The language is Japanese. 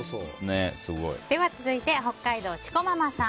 続いて、北海道の方。